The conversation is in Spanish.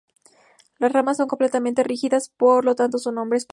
Las ramas son completamente rígidas, por lo tanto su nombre específico.